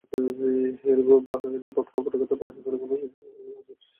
এরূপ ভাব কপটতা মাত্র, ইহা দ্বারা কোন কার্যসিদ্ধি হয় না।